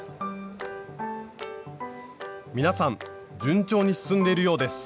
皆さん順調に進んでいるようです